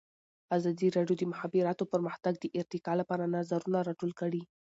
ازادي راډیو د د مخابراتو پرمختګ د ارتقا لپاره نظرونه راټول کړي.